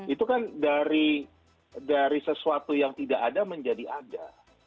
itu kan dari sesuatu yang tidak ada menjadi ada